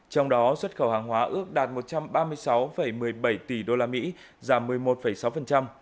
trong đó xuất khẩu hàng hóa ước đạt một trăm ba mươi sáu một mươi bảy tỷ usd giảm một mươi một sáu